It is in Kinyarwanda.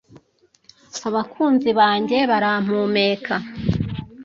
Abakunzi banjye barampumeka,